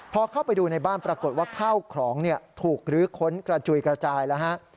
พอเข้าไปดูในบ้านปรากฏว่าข้าวของถูกลื้อค้นกระจุยกระจายแล้วฮะ